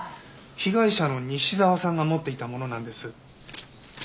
被害者の西沢さんが持っていたものなんです。